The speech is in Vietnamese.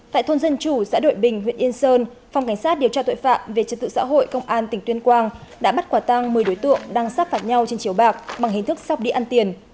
tại thôn dân chủ xã đội bình huyện yên sơn phòng cảnh sát điều tra tội phạm về trật tự xã hội công an tỉnh tuyên quang đã bắt quả tang một mươi đối tượng đang sắp phạt nhau trên chiều bạc bằng hình thức sắp đi ăn tiền